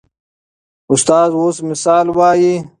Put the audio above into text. استاد اوس مثال وایي.